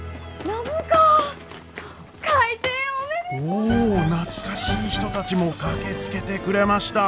お懐かしい人たちも駆けつけてくれました。